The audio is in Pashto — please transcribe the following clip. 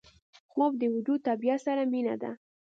خوب د وجود طبیعت سره مینه ده